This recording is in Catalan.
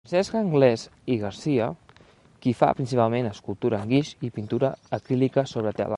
Francesc Anglès i Garcia, qui fa principalment escultura en guix i pintura acrílica sobre tela.